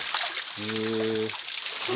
へえ。